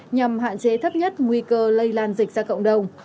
nhằm hạn chế thấp nhất nguy cơ lây lan dịch ra cộng đồng